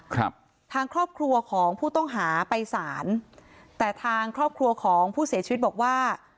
ครับทางครอบครัวของผู้ต้องหาไปสารแต่ทางครอบครัวของผู้เสียชีวิตบอกว่า